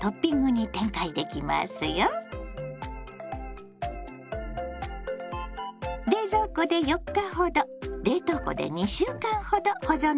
冷蔵庫で４日ほど冷凍庫で２週間ほど保存できますよ。